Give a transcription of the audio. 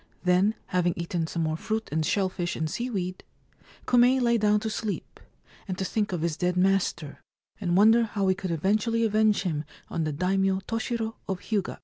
Then, having eaten some more fruit and shell fish and seaweed, Kume lay down to sleep, and to think of his dead master, and wonder how he could eventually avenge him on the Daimio Toshiro of Hyuga.